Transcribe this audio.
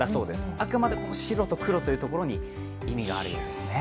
あくまで白と黒というところに意味があるそうです。